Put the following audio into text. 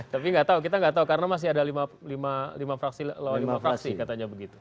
tapi nggak tahu kita nggak tahu karena masih ada lima fraksi katanya begitu